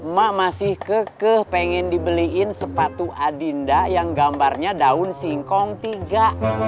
mak masih kekeh pengen dibeliin sepatu adinda yang gambarnya daun singkong tiga